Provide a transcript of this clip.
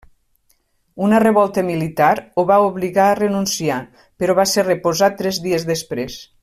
Una revolta militar ho va obligar a renunciar, però va ser reposat tres dies després.